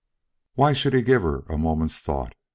Why should he give her a moment's thought?